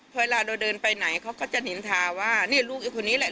เวลาเราเดินไปไหนเขาก็จะนินทาว่านี่ลูกไอ้คนนี้แหละ